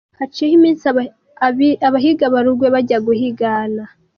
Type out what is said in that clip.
Haciyeho iminsi abahigi ba Rugwe bajya guhigana